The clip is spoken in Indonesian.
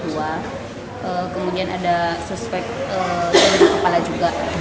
kemudian ada suspek ke depan kepala juga